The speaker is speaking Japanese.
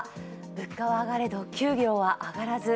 物価は上がれど給料は上がらず。